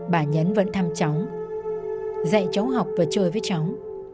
bà nhấn vẫn thăm cháu dạy cháu học và chơi với cháu